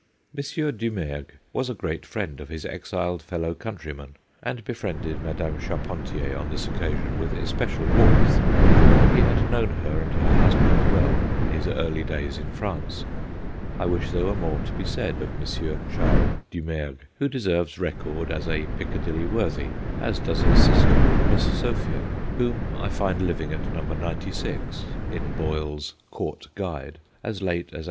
M. Dumergue was a great friend of Hs exiled fellow countrymen, and befriended Madame Charpentier on this occasion with especial warmth, for he had known her and her husband well in his early days in France. I wish there were more to be said of M. Charles Dumergue, who deserves record as a Piccadilly worthy, as does his sister, Miss Sophia, whom I find living at No. 96, in Boyle's Court Guide, as late as 1825.